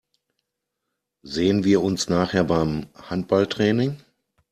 Sehen wir uns nachher beim Handballtraining?